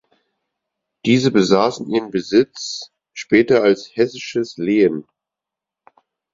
Diese besaßen ihren Besitz später als hessisches Lehen.